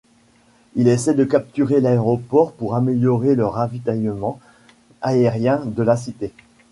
Il essaie de capturer l'aéroport pour améliorer le ravitaillement aérien de la cité.